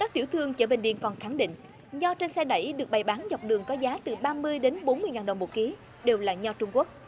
các tiểu thương chở bệnh điện còn khẳng định nho trên xe đẩy được bày bán dọc đường có giá từ ba mươi đến bốn mươi ngàn đồng một ký đều là nho trung quốc